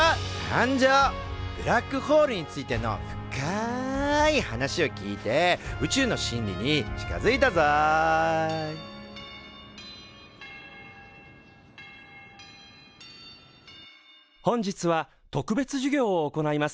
ブラックホールについての深い話を聞いて宇宙の真理に近づいたぞ本日は特別授業を行います。